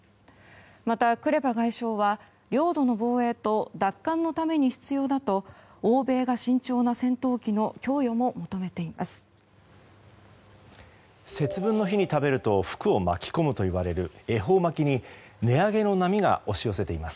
またクレバ外相は、領土の防衛と奪還のために必要だと欧米が慎重な戦闘機の供与も求めています。